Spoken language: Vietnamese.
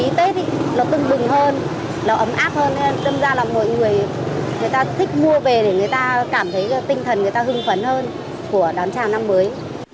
tâm ra là tinh thần người ta hưng phấn hơn của đám tràng năm mới